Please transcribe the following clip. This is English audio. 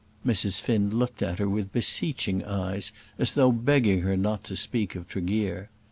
Mrs. Finn looked at her with beseeching eyes, as though begging her not to speak of Tregear.